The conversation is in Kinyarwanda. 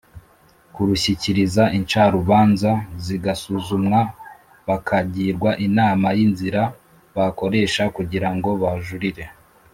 Kurushyikiriza incarubanza zigasuzumwa bakagirwa inama y inzira bakoresha kugira ngo bajurire